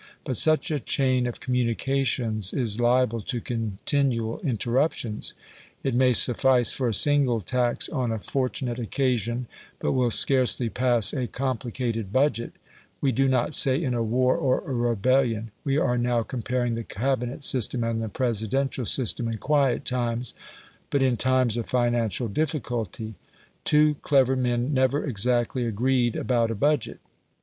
But such a chain of communications is liable to continual interruptions; it may suffice for a single tax on a fortunate occasion, but will scarcely pass a complicated budget we do not say in a war or a rebellion we are now comparing the Cabinet system and the Presidential system in quiet times but in times of financial difficulty. Two clever men never exactly agreed about a budget.